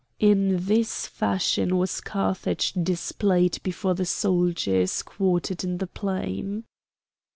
In this fashion was Carthage displayed before the soldiers quartered in the plain.